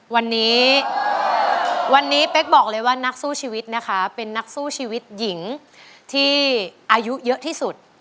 วันนี้วันนี้เป๊กบอกเลยว่านักสู้ชีวิตนะคะเป็นนักสู้ชีวิตหญิงที่อายุเยอะที่สุด